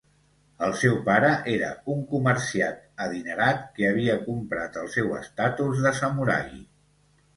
El seu pare era un comerciat adinerat que havia comprat el seu estatus de samurai.